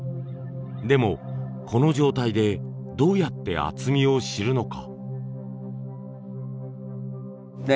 でもこの状態でどうやって厚みを知るのか。